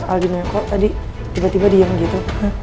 aldino kok tadi tiba tiba diam gitu